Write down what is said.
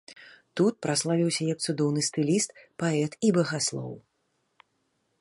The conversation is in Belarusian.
Тут праславіўся як цудоўны стыліст, паэт і багаслоў.